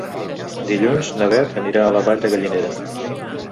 Dilluns na Beth anirà a la Vall de Gallinera.